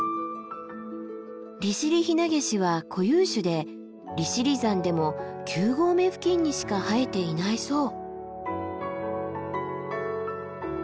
リシリヒナゲシは固有種で利尻山でも９合目付近にしか生えていないそう。